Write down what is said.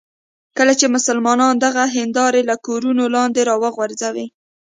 کله چې مسلمانان دغه هندارې له کورونو لاندې راوغورځوي.